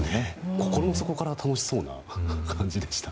心の底から楽しそうな感じでしたね。